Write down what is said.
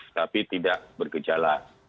tapi tidak bergejala